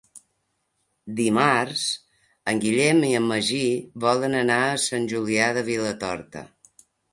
Dimarts en Guillem i en Magí volen anar a Sant Julià de Vilatorta.